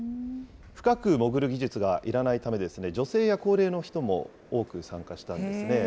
深く潜る技術がいらないため、女性や高齢の人も多く参加したんですね。